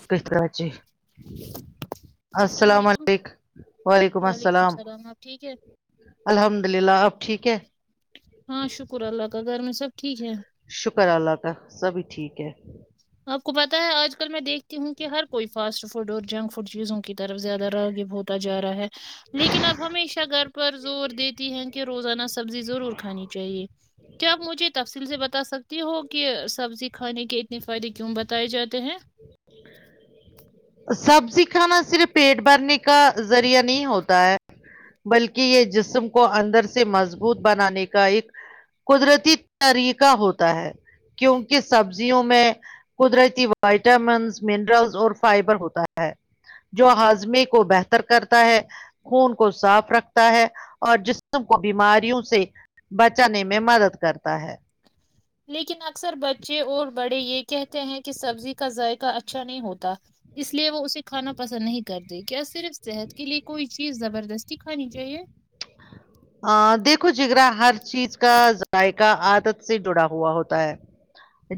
[unintelligible] السلام علیکم و علیکم وعلیکم السلام آپ ٹھیک ہے الحمد للہ آپ ٹھیک ہے ہاں شکر اللہ کا گھر میں سب ٹھیک ہے شکر اللہ کا سبھی ٹھیک ہے آپ کو پتا ہے آج کل میں دیکھتی ہوں کہ ہر کوئی فاسٹ فوڈ اور جنک فوڈ چیزوں کی طرف زیادہ راگیب ہوت جا رہا ہے لیکن اب ہمیشہ گھر پر زور دیتی ہے کہ روزانہ سبزی ضرور کھانی چاہیے کیا آپ مجھے تفصیل سے بتا سکتی ہو کہ سبزی کھانے کے اتنے فائدے کیوں بتائے جاتے ہیں سبزی کھانا صرف پیٹ بھرنے کا ذریعہ نہیں ہوتا ہے بلکہ یہ جسم کو اندر سے مضبوط بنانے کا ایک قدرتی طریقہ ہوتا ہے کیونکہ سبزی یوں میں قدرتی وائٹامنس منرلس اور فائبر ہوتا ہے جو ہاضمیے کو بہتر کرتا ہے خون کو صاف رکھتا ہے اور جسم کو بیماریوں سے بچانے میں مدد کرتا ہے ہ لیکن اکثر بچے اور بڑے یہ کہتے ہیں کہ سبزی کا ذائقہ اچھا نہیں ہوتا اس لیے وہ اسے کھانا پسند نہیں کرتے کیا صرف صحت کے لیے کوئی چیز زبردستی کھانی چاہیے ا دیکھو جگرا ہر چیز کا ذائقہ عادت سے جڑا ہوا ہوتا ہے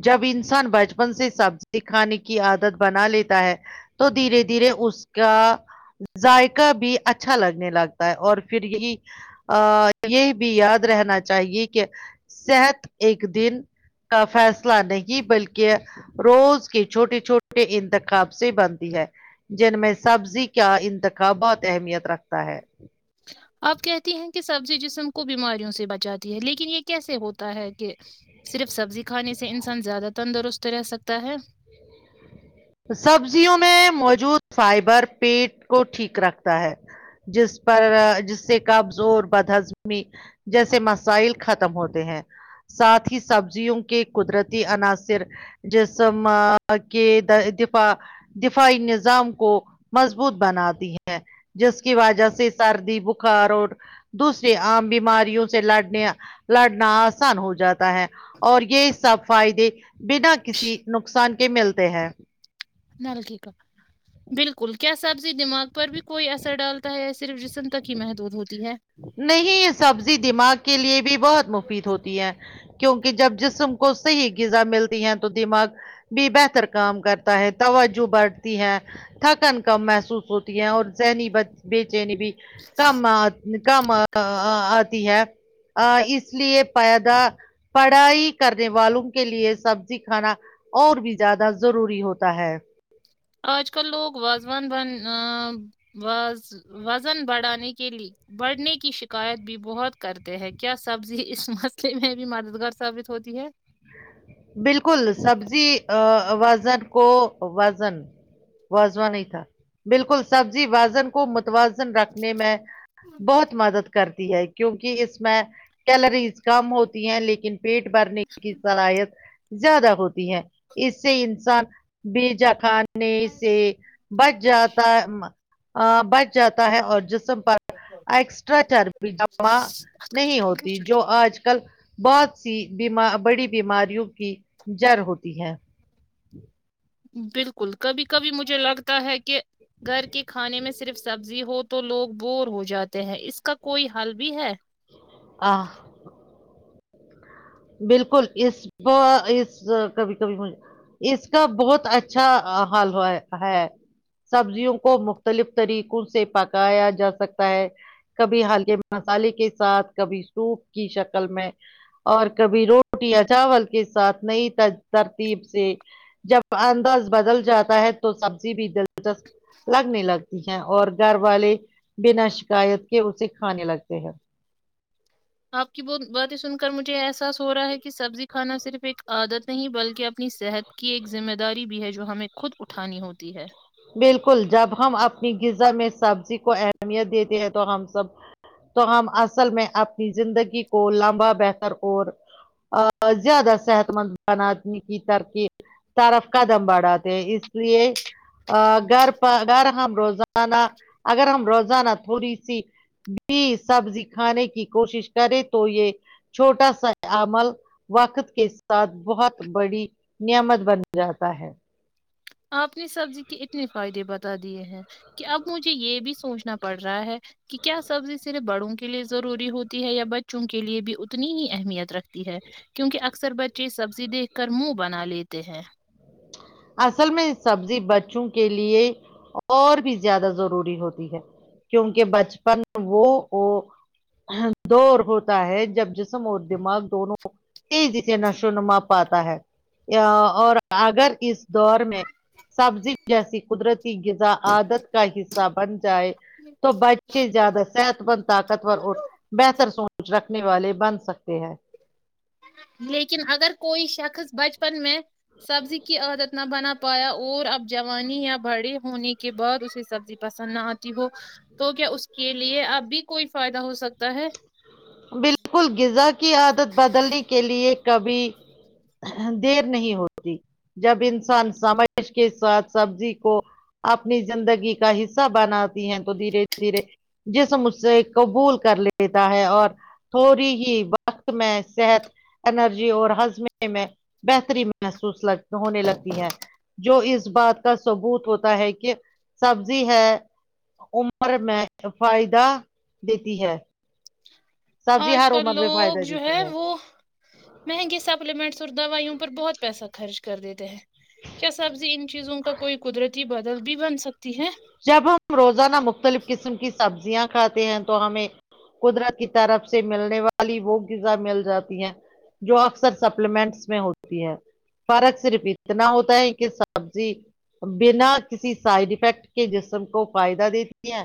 جب انسان بچپن سے سبزی کھانے کی عادت بنا لیتا ہے تو دھیرے دھیرے اس کا ذائقہ بھی اچھا لگنے لگتا ہے اور پھر یہی آ یہ بھی یاد رہنا چاہیے کہ صحت ایک دن کا فیصلہ نہیں بلکہ روز کے چھوٹے چھوٹے انتخاب سے بنتی ہے جن میں سبزی کا انتخاب بہت اہمیت رکھتا ہے [unintelligible] آپ کہتی ہیں کہ سبزی جسم کو بیماریوں سے بچاتی ہے لیکن یہ کیسے ہوتا ہے کہ صرف سبزی کھانے سے انسان زیادہ تندرست رہ سکتا ہے سبزیوں میں موجود فائبر پیٹ کو ٹھیک رکھتا ہے جس پر جس سے قبض اور بد ہضمی جیسے مسائل ختم ہوتے ہیں ساتھ ہی سبزیوں کے قدرتی عناصر جسی ماں کے داہ دفاع دفاعی نظام کو مضبوط بناتی ہے جس کی وجہ سے سردی بخار اور دوسریے عام بیماریوں سے لڑنے لڑنا آسان ہو جاتا ہے اور یہ سب فائدے بنا کسی نقصان کے ملتے ہیں نلکی کا بالکل کیا سبزی دماغ پر بھی کوئی اثر ڈالتا ہے صرف جسم تک ہی محدود ہوتی ہے نہیں یہ سبزی دماغ کے لیے بھی بہت مفید ہوتی ہے کیونکہ جب جسم کو صحیح غذا ملتی ہیں تو دماغ بھی بہتر کام کرتا ہے توجہ بڑھتی ہے تھکن کم محسوس ہوتی ہے اور ذہنی بے چینی بھی کم کم ا ا آتی ہے اس لیے پائیدہ پڑھائی کرنے والوں کے لیے سبزی کھانا اور بھی زیادہ ضروری ہوتا ہے آج کل لوگ واازوان بن باز وزن بڑھانے کے لیے بڑھنے کی شکایت بھی بہت کرتے ہیں کیا سبزی اس مسئلے میں بھی مددگار ثابت ہوتی ہے بالکل سبزی وزن کو وزن واازوا نہیں تھا بالکل سبزی وازن کو متوازن رکھنے میں بہت مدد کر کرتی ہے کیونکہ اس میں کیلریز کم ہوتی ہیں لیکن پیٹ بھرنے کی صلاحیت زیادہ ہوتی ہے اس سے انسان بیجا خان سے بچ جاتا بچ جاتا ہے اور جسم پر ایکسٹرا چربی جمع نہیں ہوتی جو آج کل بہت سی بیما بڑی بیماریوں کی جڑ ہوتی ہے بلکل کبھی کبھی مجھے لگتا ہے کہ گھر کے کھانے میں صرف سبزی ہو تو لوگ بور ہو جاتے ہیں اس کا کوئی حل بھی ہے آہ بلکل اس اس کبھی کبھی مج اس کا بہت اچھا حل ہے سبزیوں کو مختلف طریقوں سے پکایا جا سکتا ہے کبھی ہلکے مسالے کے ساتھ کبھی سوپ کی شکل میں اور کبھی روٹی یا چاول کے ساتھ نئی ترتیب سے جب انداز بدل جاتا ہے تو سبزی بھی دلچسپ لگنے لگتی ہیں اور گھر والے بنا شکایت کے اسے کھانے لگتے ہیں آپ کی بہ باتیں سن کر مجھے احساس ہو رہا ہے کہ سبزی کھانا صرف ایک عادت نہیں بلکہ اپنی صحت کو کی ایک ذمہ داری بھی ہے جو ہمیں خود اٹھانی ہوتی ہے بلکل جب ہم اپنی غذا میں سبزی کو اہمیت دیتے ہیں تو ہم سب تو ہم اصل میں اپنی زندگی کو لمبا بہتر اور زیادہ صحت مند بنانے کی ترکیب طرف قدم بڑھاتے ہیں اس لیے گھر پہ اگر ہم روزانہ اگر ہم روزانہ تھوڑی سی بھی سبزی کھانے کی کوشش کرے تو یہ چھوٹا سا عمل وقت کے ساتھ بہت بڑی نعمت بن جاتا ہے آپ نے سبزی کے اتنے فائدے بتا دیے ہیں کہ اب مجھے یہ بھی سوچنا پڑ رہا ہے کہ کیا سبزی صرف بڑوں کے لیے ضروری ہوتی ہے یا بچوں کے لیے بھی اتنی ہی اہمیت رکھتی ہے کیونکہ اکثر بچے سبزی دیکھ کر منہ بنا لیتے ہیں اصل میں سبزی بچوں کے لیے اور بھی زیادہ ضروری ہوتی ہے کیونکہ بچپن وہ وہ دور ہوتا ہے جب جس اور دماغ دونوں تیزی سے نشو نما پاتا ہے اور اگر اس دور میں سبزی جیسی قدرتی غذا عادت کا حصہ بن جائے تو بچے زیادہ صحت مند طاقتور اور بہتر سوچ رکھنے والے بن سکتے تی ہے لیکن اگر کوئی شخص بچپن میں سبزی کی عادت نہ بنا پایا اور اب جوانی یا بڑے ہونے کے بعد اسے سبزی پسند نہ آتی ہو تو کیا اس کے لیے اب بھی کوئی فائدہ ہو سکتا ہے بلکل غذا کی عادت بدلنے کے لیئے کبھی دیر نہیں ہوتی جب انسان سمش کے ساتھ سبزی کو اپنی زندگی کا حصہ بناتی ہیں تو دھیرے دھیرے جیسے مجھ سے قبول کر لیتا ہے اور تھوڑی ہی وقت میں صحت انرجی اور ہضمے میں بہتری محسوس لگ ہونے لگتی ہے جو اس بات کا ثبوت ہوتا ہے کہ سبزی ہے عمر میں فائدہ دیتی ہے سبزی آج ہر کل عمر میں لوگ فائدہ جو ہے دیتی وہ مہنگے سپلیمنٹس اور دوائیوں پر بہت پیسہ خرچ کر دیتے ہیں کیا سبزی ان چیزوں کا کوئی قدرتی بدل بھی بن سکتی ہے جب ہم روزانہ مختلف قسم کی سبزیاں کھاتے ہیں تو ہمیں قدرت کی طرف سے ملنے والی وہ غذا مل جاتی ہیں جو اکثر سپلیمنٹس میں ہوتی ہے فرق صرف اتنا ہوتا ہے کہ سبزی بنا کسی سائ فیکٹ کے جسم کو فائدہ دیتی ہے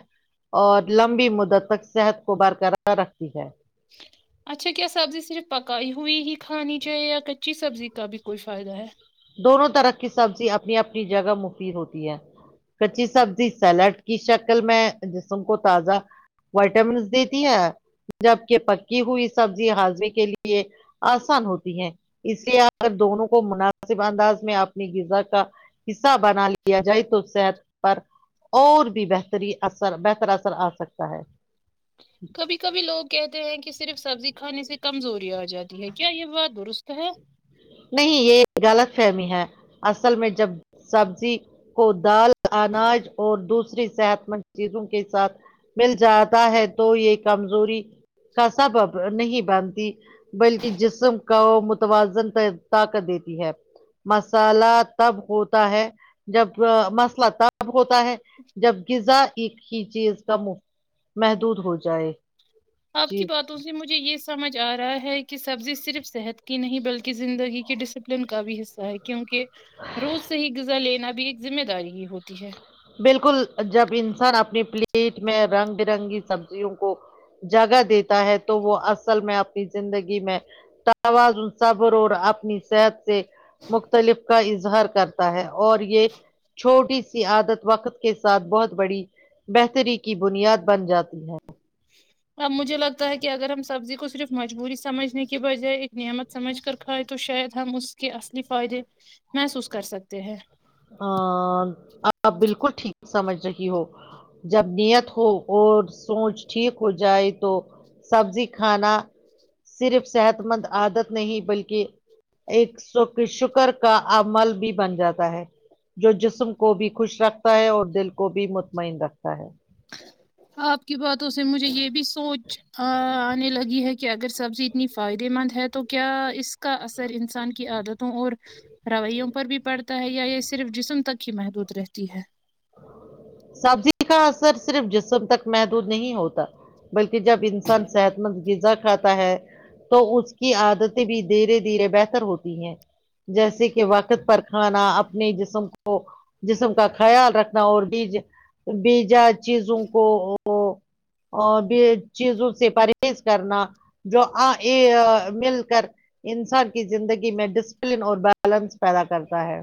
اور لمبی مدت تک صحت کو برقرار رکھتی ہے اچھا کیا سبزی صرف پکائی ہوئی ہی کھانی چاہے یا اچی سبزی کا بھی کوئی فائدہ ہے دونوں طرح کی سبزی اپنی اپنی جگہ مفید ہوتی ہے کچی سبزی سیلاڈ کی شکل میں جسم کو تازہ وائٹامنس دیتی ہے جبک پکی ہوئی سبزی ہاضمی کے لیے آسان ہوتی ہے اسے اگر دونوں کو منافع نسب انداز میں اپنی غذا کا حصہ بنا لیا جائے تو صحت پر اور بھی بہتری اثر بہتر اثر آ سکتا ہے کبھی کبھی لوگ کہتے ہیں کہ صرف سبزی کھانے سے کمزوری آ جاتی ہے کیا یہ بات درست ہے نہیں یہ غلط فہمی ہے اصل میں جب سبزی کو دال اناج اور دوسری صحت مند چیزوں کے ساتھ مل جاتا ہے تو یہ کمزوری کا سبب نہیں بانتی بلکہ جسم کا توازن پا طاقت دیتی ہے مسالہ تب ہوتا ہے جب مسلہ تب اب ہوتا ہے جب غذا ایک ہی چیز کا مفت محدود ہو جائے آپ چیز کی بات مجھے یہ سمجھ آ رہا ہے کہ سبزی صرف صحت کی نہیں بلکہ زندگی کی ڈسپلن کا بھی حصہ کیونکہ روز سے ہی غذا لینا بھی ایک ذمہ داری ہی ہوتی ہے بالکل جب انسان اپنی پلیٹ میں رنگ برنگی سبزیوں کو جگہ دیتا ہے تو وہ اصل میں اپنی زندگی میں توازن صبر اور اپنی صحت سے مختلف کا اظہار کرتا ہے اور یہ چھوٹی سی عادت وقت کے ساتھ بہت بڑی بہتری کی بنیاد بن جاتی ہے اب مجھے لگتا ہے کہ اگر ہم سبزی کو صرف مجبوری سمجھنے کی بجائے ایک نعمت سمجھ کر کھائے تو شاید ہم اس کے اصلی فائدے محسوس کر سکتے ہیں ا آپ بالکل ٹھیک سمجھ رہی ہو جب نیت ہو اور سوچ ٹھیک ہو جائے تو سبزی کھانا صرف صحت مند عادت نہیں بلکہ ایک س شکر کا امل بھی بن جاتا ہے جو جسم کو بھی خوش رکھتا ہے اور دل کو بھی مطمئن رکھتا ہے آپ کی باتوں سے مجھے یہ بھی سوچ ہاں آنے لگی ہے کہ کہ اگر سبزی اتنی فائدے مند ہے تو کیا اس کا اثر انسان کی عادتوں اور رویوں پر بھی پڑتا ہے یا یہ صرف جسم تک ہی محدود رہتی ہے سبزی کا اثر صرف جسم تک محدود نہیں ہوتا بلکہ جب انسان صحت غذا کھاتا ہے تو اس کی عادتیں بھی دھیرے دھیرے بہتر ہوتی ہیں جیسے کہ وقت پر کھانا اپنے جسم کو جسم کا خیال رکھ نا اور بی جا بی بیجا چیزوں کو اور بھی چیزوں سے پرہیز کرنا جوا یے مل کر انسان کی زندگی میں ڈسپلن اور بیلنس پیدا کرتا ہے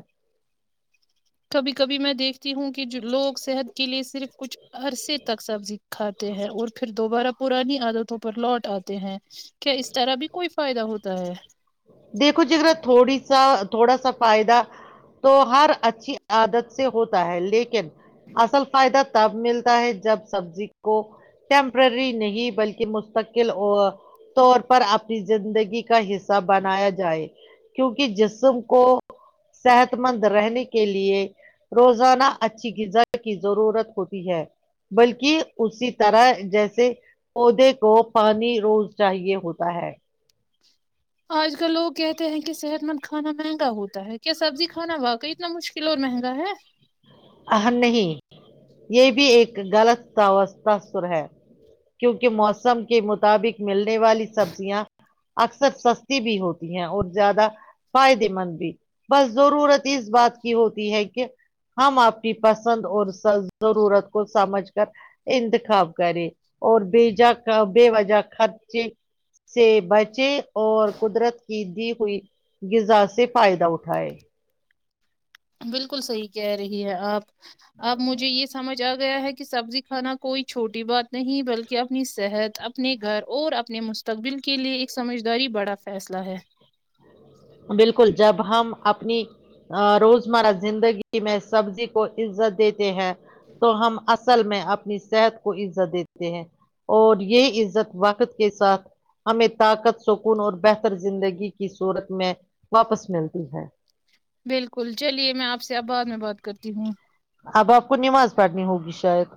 کبھی کبھی میں دیکھتی ہوں کہ لوگ صحت کے لیے صرف کچھ عرصے تک سبزی کھاتے ہیں اور پھر دوبارہ پرانی عادتوں پر لوٹ آ تے ہیں کیا اس طرح بھی کوئی فائدہ ہوتا ہے دیکھو جگرا تھوڑی سا تھوڑا سا فائدہ تو ہر اچھی عادت سے ہوتا ہے لیکن اصل فائدہ تب ملتا ہے جب سبزی کو ٹیمپرری نہیں بلکہ مستقل او طور پر اپنی زندگی کا حصہ بنایا جائے کیونکہ جسم کو صحت مند رہنے کے لیے روزانہ اچھی غذا کی ضرورت ہوتی ہے بلکہ اسی طرح جیسے پودے کو پانی روز چاہیے ہوتا ہے آج کل لوگ کہتے ہیں کہ صحت مند کھانا مہنگا ہوتا ہے کیا سبزی کھانا واقعی اتنا مشکل اور مہنگا ہے ان نہیں یہ بھی ایک غلط تواسور ہے کیونکہ موسم کے مطابق ملنے والی سبزیاں اکثر سستی بھی ہوتی ہے اور زیادہ فائدے مند بھی بس ضرورت اس بات کی ہوتی ہے کہ ہم آپ کی پسند اور سر ضرورت کو سمجھ کر انتخاب کرے اور بےجا بے وجہ خچ سے بچے اور قدرت کی دی ہوئی غذا سے فائدہ اٹھائے بالکل صحیح کہہ رہی ہے آپ آپ مجھے یہ سمجھ گیا ہے کہ سبزی کھانا کوئی چھوٹی بات نہیں بلکہ اپنی صحت اپنے گھر اور اپنے مسل تقبل کے لیے ایک سمجھداری بڑا فیصلہ ہے بالکل جب ہم اپنی روزمرہ زندگی میں سبزی کو عزت دیتے ہیں تو ہم اصل اصل میں اپنی صحت کو عزت دیتے ہیں اور یہ عزت وقت کے ساتھ ہمیں طاقت سکون اور بہتر زندگی کی صورت میں واپس ملتی ہے بالکل چلیے میں آپ سے اب بعد میں بات کرتی ہوں اب آپ کو نماز پڑھنی ہوگی شاید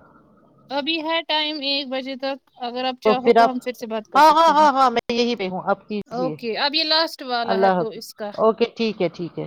ابھی ہے ٹائم ایک بجے تک اگر آپ چاہو پھر تو آپ ہم سے بات کر ہاں ہاں سکتے ہیں ہاں ہاں میں یہی پہ ہوں آپ کیجیے اوکے اب یہ لاسٹ والا ہے اللہ تو اس کا حافظ اوکے ٹھیک ہے ٹھیک ہے